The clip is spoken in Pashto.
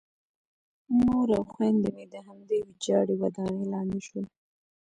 مور او خویندې مې د همدې ویجاړې ودانۍ لاندې شول